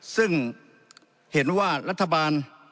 ซึ่งเห็นว่ารัฐบาล